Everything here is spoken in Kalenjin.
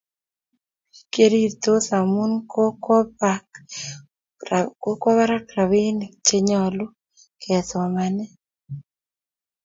bik cherirtos amun kokwo bak rabinik che nyalun ke somane